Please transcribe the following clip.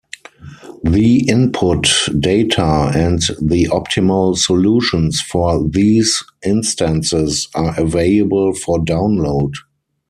The input data and the optimal solutions for these instances are available for download.